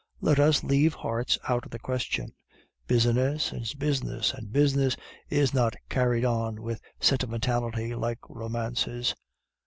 Let us leave hearts out of the question. Business is business, and business is not carried on with sentimentality like romances.